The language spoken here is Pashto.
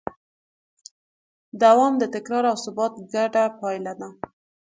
دوام د تکرار او ثبات ګډه پایله ده.